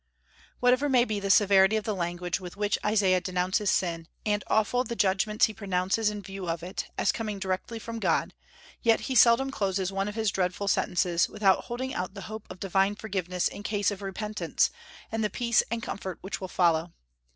Whatever may be the severity of language with which Isaiah denounces sin, and awful the judgments he pronounces in view of it, as coming directly from God, yet he seldom closes one of his dreadful sentences without holding out the hope of divine forgiveness in case of repentance, and the peace and comfort which will follow.